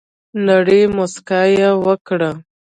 نرۍ مسکا یي وکړه